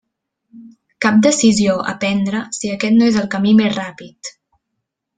Cap decisió a prendre si aquest no és el camí més ràpid.